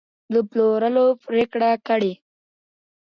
د پلورلو پرېکړه کړې